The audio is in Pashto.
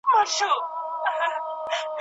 له چا سره چې اوسئ هغسې کېږئ.